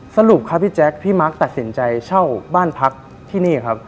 สรุปครับพี่แจ๊คพี่มาร์คตัดสินใจเช่าบ้านพักที่นี่ครับ